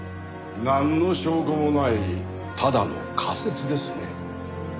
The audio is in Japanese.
なんの証拠もないただの仮説ですね。